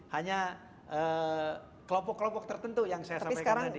hanya kelompok kelompok tertentu yang saya sampaikan tadi